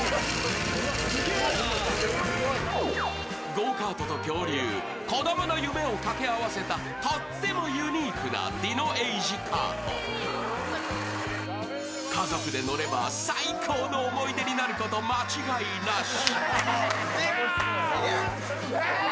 ゴーカートと恐竜、子どもの夢を掛け合わせたとってもユニークなＤｉｎｏＡｇｅＫａｒｔ家族で乗れば最高の思い出になること間違いなし。